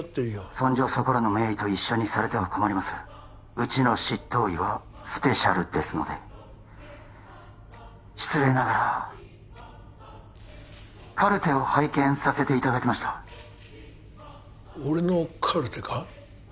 そんじょそこらの名医と一緒にされては困りますうちの執刀医はスペシャルですので失礼ながらカルテを拝見させていただきました俺のカルテか？